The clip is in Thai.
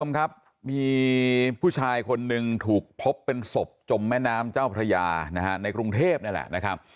คุณผู้ชมครับมีผู้ชายคนหนึ่งถูกพบเป็นศพจมแม่น้ำเจ้าพระยานะฮะในกรุงเทพนี่แหละนะครับ